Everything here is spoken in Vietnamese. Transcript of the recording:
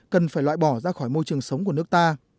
cần phải loại bỏ ra khỏi môi trường sống của nước ta